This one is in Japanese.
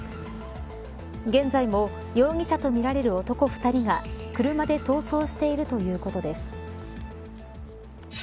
現在も容疑者とみられる男２人が車で逃走しているということです。